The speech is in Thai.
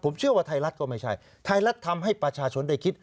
ผมเชื่อว่าไทยรัฐก็ไม่ใช่ไทยรัฐทำให้ประชาชนได้คิด